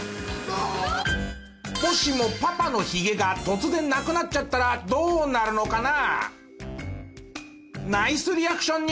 もしもパパのヒゲが突然なくなっちゃったらどうなるのかな？